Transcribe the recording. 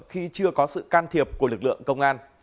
khi chưa có sự can thiệp của lực lượng công an